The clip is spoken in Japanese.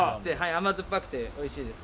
甘酸っぱくておいしいです。